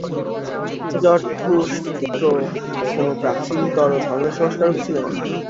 জরথুষ্ট্র কোন প্রাচীনতর ধর্মের সংস্কারক ছিলেন।